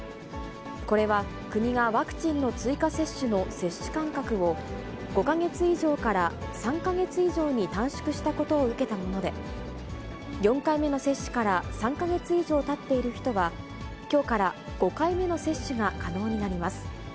これは国がワクチンの追加接種の接種間隔を５か月以上から３か月以上に短縮したことを受けたもので、４回目の接種から３か月以上たっている人は、きょうから５回目の接種が可能になります。